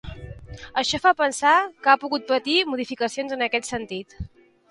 Això fa pensar que ha pogut patir modificacions en aquest sentit.